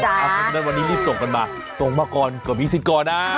เพราะฉะนั้นวันนี้รีบส่งกันมาส่งมาก่อนก็มีสิทธิ์ก่อนนะ